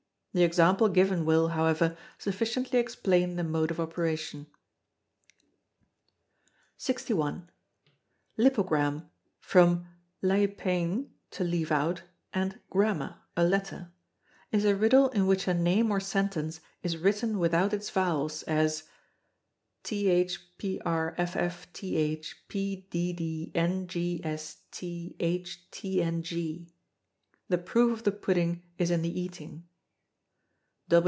The example given will, however, sufficiently explain the mode of operation. 61. Lipogram from leipein, to leave out, and gramma, a letter is a riddle in which a name or sentence is written without its vowels, as: Thprffthpddngsthtng, The proof of the pudding is in the eating.